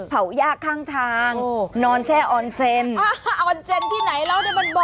เผ่าหญ้าข้างทางโอ้นอนแช่ออนเซนออนเซนที่ไหนรอได้บรรบ่อ